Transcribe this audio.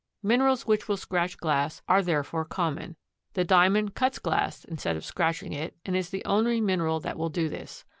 Minerals which will scratch glass are therefore common. The Diamond cuts glass instead of scratching it, and is the only mineral that will do this.